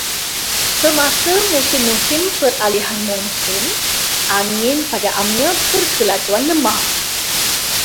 Semasa musim-musim peralihan monsun, angin pada amnya berkelajuan lemah.